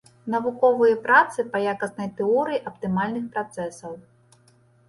Навуковыя працы па якаснай тэорыі аптымальных працэсаў.